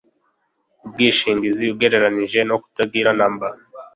ubwishingizi ugereranyije no kutagira na mba